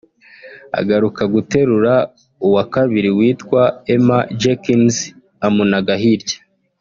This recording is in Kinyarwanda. agaruka guterura uwa kabiri witwa Emma Jenkins amunaga hirya